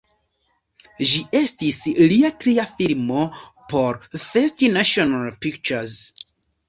Ĝi estis lia tria filmo por First National Pictures.